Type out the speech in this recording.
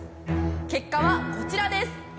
結果はこちらです。